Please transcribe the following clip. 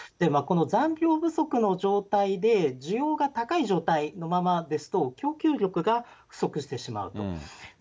この残量不足の状態で、需要が高い状態のままですと、供給力が不足してしまうと。